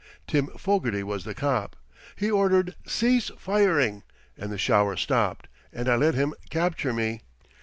Tim Fogarty was the cop. He ordered 'Cease firing!' and the shower stopped, and I let him capture me.